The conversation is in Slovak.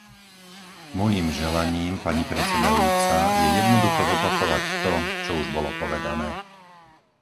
Mojím želaním, pani predsedajúca, je jednoducho zopakovať to, čo už bolo povedané.